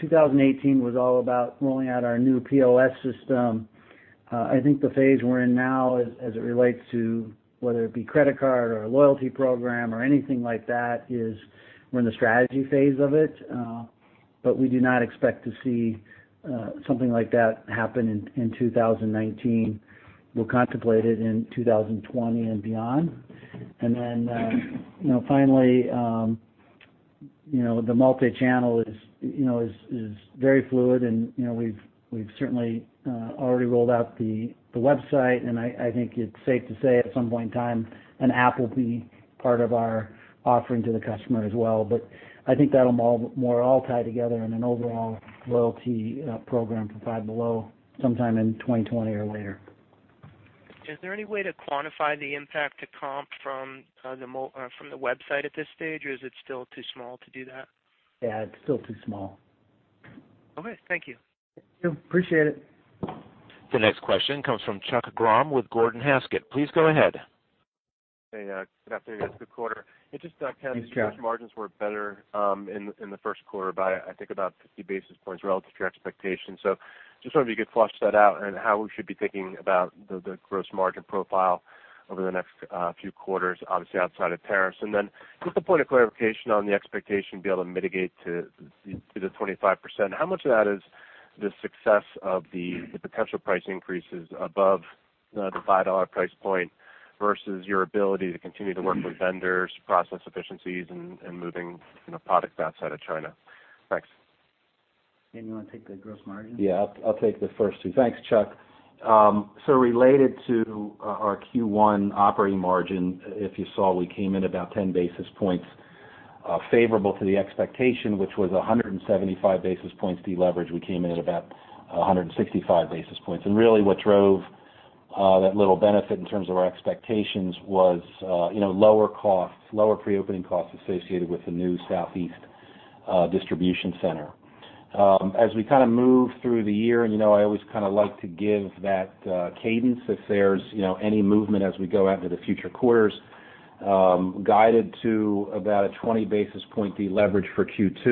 2018 was all about rolling out our new POS system. I think the phase we're in now, as it relates to whether it be credit card or a loyalty program or anything like that, is we're in the strategy phase of it. We do not expect to see something like that happen in 2019. We'll contemplate it in 2020 and beyond. Finally, the multi-channel is very fluid. We've certainly already rolled out the website. I think it's safe to say at some point in time, an app will be part of our offering to the customer as well. I think that'll more all tie together in an overall loyalty program for Five Below sometime in 2020 or later. Is there any way to quantify the impact to comp from the website at this stage, or is it still too small to do that? Yeah. It's still too small. Okay. Thank you. Thank you. Appreciate it. The next question comes from Chuck Grom with Gordon Haskett. Please go ahead. Hey. Good afternoon, guys. Good quarter. It just kind of. Thanks, Chuck. Margins were better in the first quarter by, I think, about 50 basis points relative to your expectation. I just wanted to be able to flush that out and how we should be thinking about the gross margin profile over the next few quarters, obviously outside of tariffs. Just a point of clarification on the expectation to be able to mitigate to the 25%. How much of that is the success of the potential price increases above the $5 price point versus your ability to continue to work with vendors, process efficiencies, and moving product outside of China? Thanks. You want to take the gross margin? Yeah. I'll take the first two. Thanks, Chuck. Related to our Q1 operating margin, if you saw, we came in about 10 basis points favorable to the expectation, which was 175 basis points deleveraged. We came in at about 165 basis points. What drove that little benefit in terms of our expectations was lower costs, lower pre-opening costs associated with the new Southeast distribution center. As we kind of move through the year, and I always kind of like to give that cadence if there's any movement as we go out into the future quarters, guided to about a 20 basis point deleverage for Q2.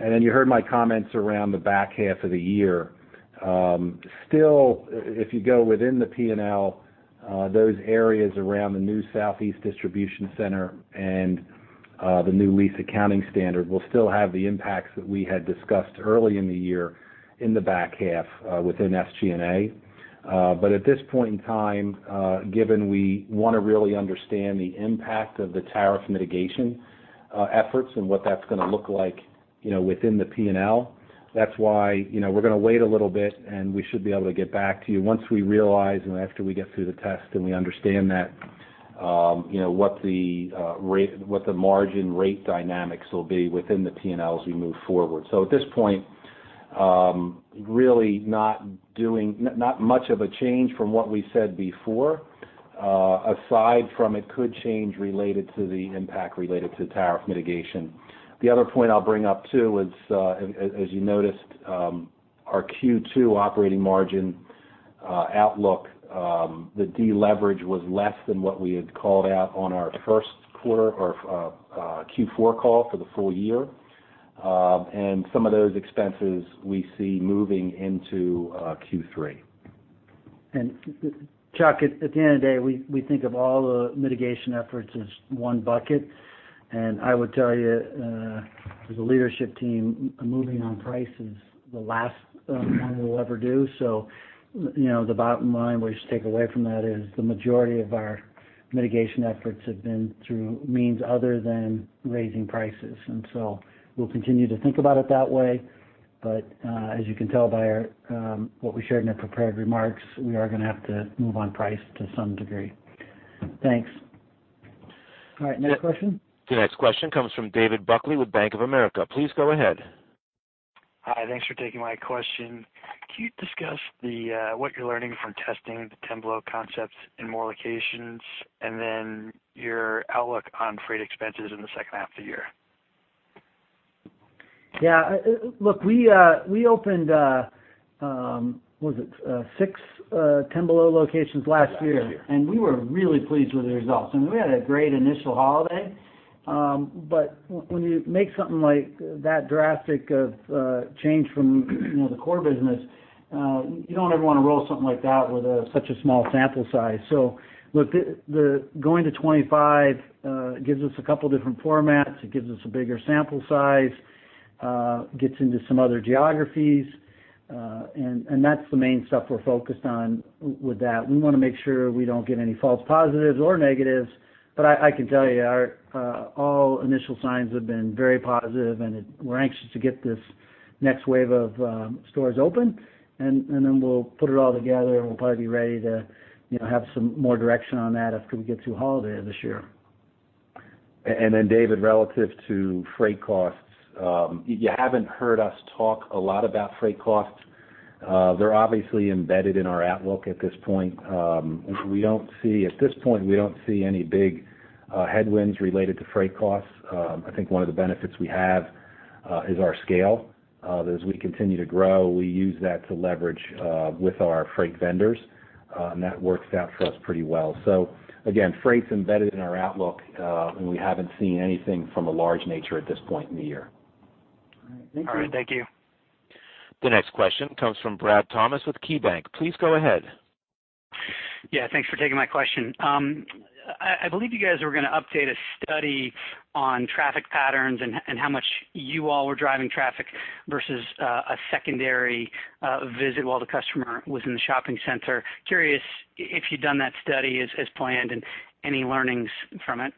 You heard my comments around the back half of the year. Still, if you go within the P&L, those areas around the new Southeast distribution center and the new lease accounting standard will still have the impacts that we had discussed early in the year in the back half within SG&A. At this point in time, given we want to really understand the impact of the tariff mitigation efforts and what that's going to look like within the P&L, that's why we're going to wait a little bit. We should be able to get back to you once we realize and after we get through the test and we understand what the margin rate dynamics will be within the P&L as we move forward. At this point, really not much of a change from what we said before, aside from it could change related to the impact related to tariff mitigation. The other point I'll bring up too is, as you noticed, our Q2 operating margin outlook, the deleverage was less than what we had called out on our first quarter or Q4 call for the full year. Some of those expenses we see moving into Q3. Chuck, at the end of the day, we think of all the mitigation efforts as one bucket. I would tell you, as a leadership team, moving on price is the last one we will ever do. The bottom line we should take away from that is the majority of our mitigation efforts have been through means other than raising prices. We will continue to think about it that way. As you can tell by what we shared in our prepared remarks, we are going to have to move on price to some degree. Thanks. All right. Next question. The next question comes from David Buckley with Bank of America. Please go ahead. Hi. Thanks for taking my question. Can you discuss what you're learning from testing the Ten Below concepts in more locations and then your outlook on freight expenses in the second half of the year? Yeah. Look, we opened, what was it, six Ten Below locations last year. And we were really pleased with the results. I mean, we had a great initial holiday. But when you make something like that drastic of change from the core business, you do not ever want to roll something like that with such a small sample size. So look, going to 25 gives us a couple of different formats. It gives us a bigger sample size, gets into some other geographies. And that is the main stuff we are focused on with that. We want to make sure we do not get any false positives or negatives. But I can tell you, all initial signs have been very positive. And we are anxious to get this next wave of stores open. And then we will put it all together. We'll probably be ready to have some more direction on that after we get through holiday this year. David, relative to Freight costs, you have not heard us talk a lot about Freight costs. They are obviously embedded in our outlook at this point. At this point, we do not see any big headwinds related to freight costs. I think one of the benefits we have is our scale. As we continue to grow, we use that to leverage with our freight vendors. That works out for us pretty well. Freight is embedded in our outlook. We have not seen anything from a large nature at this point in the year. All right. Thank you. The next question comes from Brad Thomas with KeyBanc. Please go ahead. Yeah. Thanks for taking my question. I believe you guys were going to update a study on traffic patterns and how much you all were driving traffic versus a secondary visit while the customer was in the shopping center. Curious if you'd done that study as planned and any learnings from it.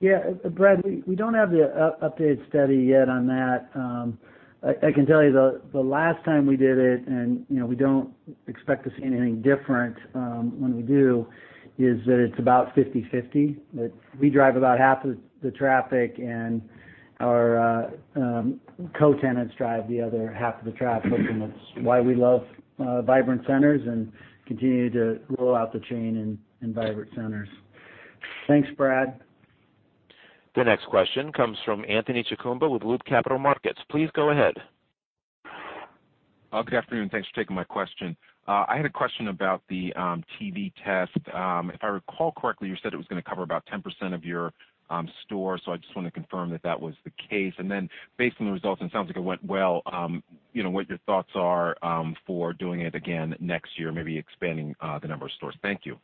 Yeah. Brad, we do not have the updated study yet on that. I can tell you the last time we did it, and we do not expect to see anything different when we do, is that it is about 50/50. We drive about half of the traffic. Our co-tenants drive the other half of the traffic. That is why we love vibrant centers and continue to roll out the chain in vibrant centers. Thanks, Brad. The next question comes from Anthony Chukumba with Loop Capital Markets. Please go ahead. Good afternoon. Thanks for taking my question. I had a question about the TV test. If I recall correctly, you said it was going to cover about 10% of your stores. I just want to confirm that that was the case. Based on the results, and it sounds like it went well, what your thoughts are for doing it again next year, maybe expanding the number of stores. Thank you.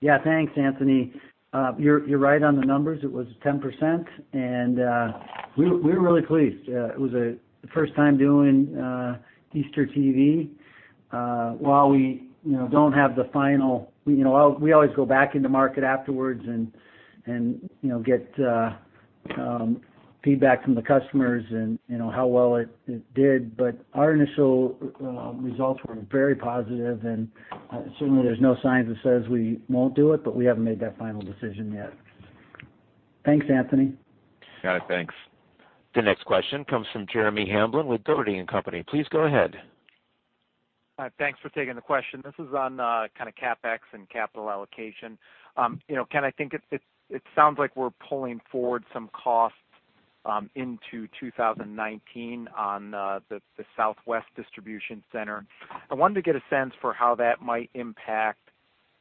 Yeah. Thanks, Anthony. You're right on the numbers. It was 10%. We were really pleased. It was the first time doing Easter TV. While we don't have the final, we always go back into market afterwards and get feedback from the customers and how well it did. Our initial results were very positive. There are no signs that say we won't do it. We haven't made that final decision yet. Thanks, Anthony. Got it. Thanks. The next question comes from Jeremy Hamblin with Doherty & Company. Please go ahead. Thanks for taking the question. This is on kind of CapEx and capital allocation. Kind of think it sounds like we're pulling forward some costs into 2019 on the Southwest distribution center. I wanted to get a sense for how that might impact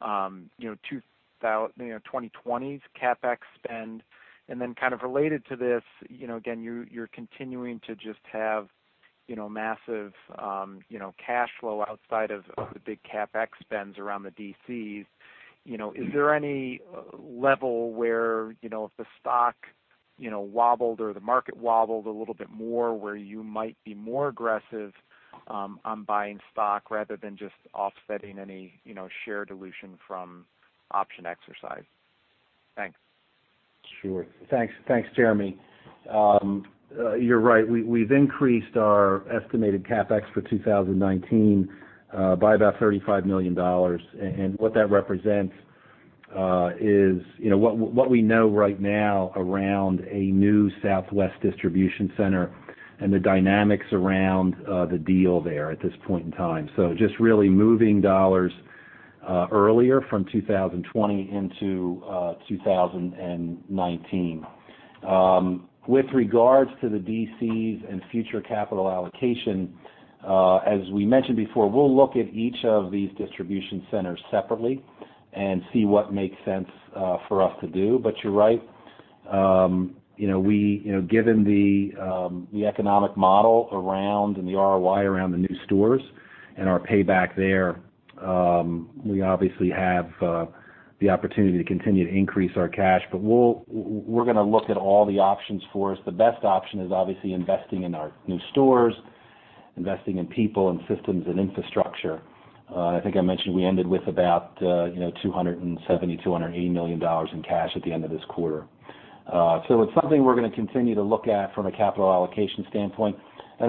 2020's CapEx spend. Then kind of related to this, again, you're continuing to just have massive cash flow outside of the big CapEx spends around the DCs. Is there any level where if the stock wobbled or the market wobbled a little bit more where you might be more aggressive on buying stock rather than just offsetting any share dilution from option exercise? Thanks. Sure. Thanks, Jeremy. You're right. We've increased our estimated CapEx for 2019 by about $35 million. What that represents is what we know right now around a new Southwest distribution center and the dynamics around the deal there at this point in time. Just really moving dollars earlier from 2020 into 2019. With regards to the DCs and future capital allocation, as we mentioned before, we'll look at each of these distribution centers separately and see what makes sense for us to do. You're right. Given the economic model around and the ROI around the new stores and our payback there, we obviously have the opportunity to continue to increase our cash. We're going to look at all the options for us. The best option is obviously investing in our new stores, investing in people and systems and infrastructure. I think I mentioned we ended with about $270 million, $280 million in cash at the end of this quarter. It is something we are going to continue to look at from a capital allocation standpoint.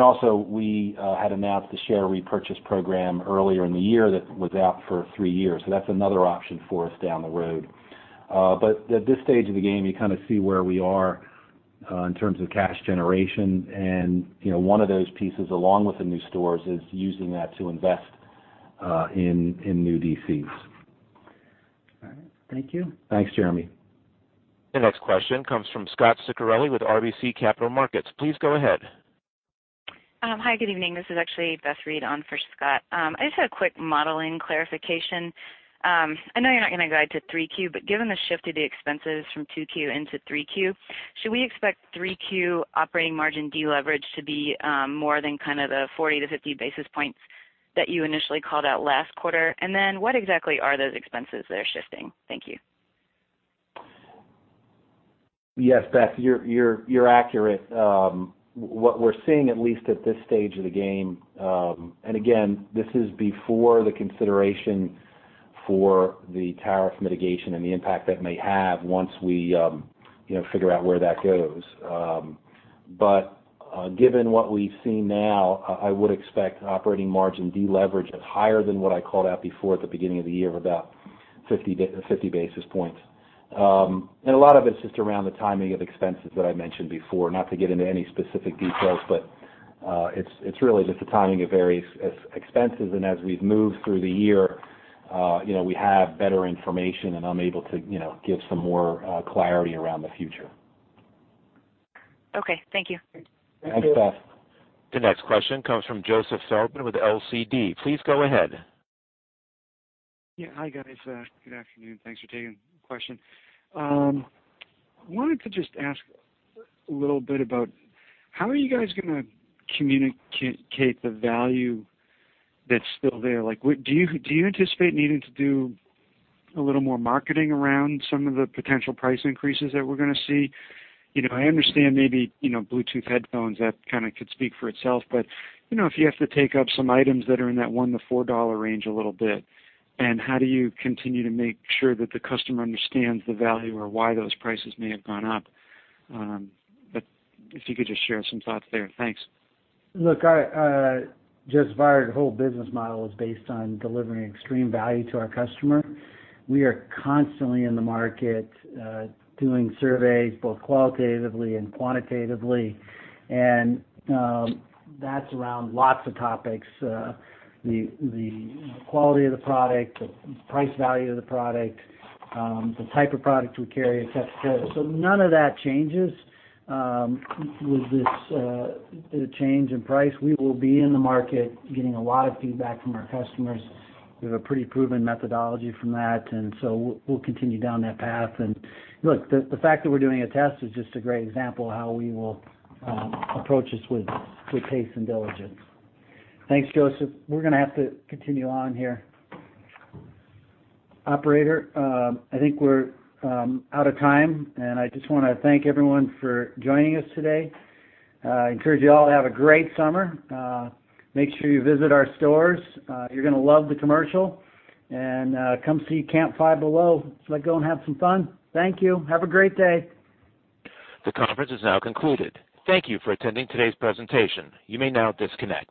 Also, we had announced the share repurchase program earlier in the year that was out for three years. That is another option for us down the road. At this stage of the game, you kind of see where we are in terms of cash generation. One of those pieces, along with the new stores, is using that to invest in new DCs. All right. Thank you. Thanks, Jeremy. The next question comes from Scott Sicarelli with RBC Capital Markets. Please go ahead. Hi. Good evening. This is actually Beth Reed on for Scott. I just had a quick modeling clarification. I know you're not going to guide to 3Q, but given the shift of the expenses from 2Q into 3Q, should we expect 3Q operating margin deleverage to be more than kind of the 40-50 basis points that you initially called out last quarter? What exactly are those expenses they're shifting? Thank you. Yes, Beth, you're accurate. What we're seeing, at least at this stage of the game, and again, this is before the consideration for the tariff mitigation and the impact that may have once we figure out where that goes. Given what we've seen now, I would expect operating margin deleverage higher than what I called out before at the beginning of the year of about 50 basis points. A lot of it's just around the timing of expenses that I mentioned before. Not to get into any specific details, but it's really just the timing of various expenses. As we've moved through the year, we have better information. I'm able to give some more clarity around the future. Okay. Thank you. Thanks, Beth. The next question comes from Joseph Felton with LCD. Please go ahead. Yeah. Hi, guys. Good afternoon. Thanks for taking the question. I wanted to just ask a little bit about how are you guys going to communicate the value that's still there? Do you anticipate needing to do a little more marketing around some of the potential price increases that we're going to see? I understand maybe Bluetooth headphones, that kind of could speak for itself. If you have to take up some items that are in that $1-$4 range a little bit, how do you continue to make sure that the customer understands the value or why those prices may have gone up? If you could just share some thoughts there. Thanks. Look, our Just Wow whole business model is based on delivering extreme value to our customer. We are constantly in the market doing surveys, both qualitatively and quantitatively. That is around lots of topics, the quality of the product, the price value of the product, the type of product we carry, etc. None of that changes with this change in price. We will be in the market getting a lot of feedback from our customers. We have a pretty proven methodology from that. We will continue down that path. The fact that we are doing a test is just a great example of how we will approach this with pace and diligence. Thanks, Joseph. We are going to have to continue on here. Operator, I think we are out of time. I just want to thank everyone for joining us today. I encourage you all to have a great summer. Make sure you visit our stores. You're going to love the commercial. Come see Camp Five Below. Let's go and have some fun. Thank you. Have a great day. The conference is now concluded. Thank you for attending today's presentation. You may now disconnect.